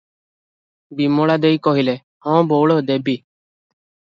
ବିମଳା ଦେଈ କହିଲେ, "ହଁ ବଉଳ ଦେବି ।"